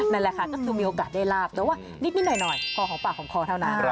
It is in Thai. นั่นแหละค่ะก็คือมีโอกาสได้ลาบแต่ว่านิดหน่อยพอหอมปากหอมคอเท่านั้น